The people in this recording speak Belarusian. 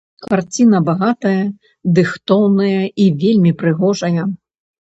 Карціна багатая, дыхтоўная і вельмі прыгожая.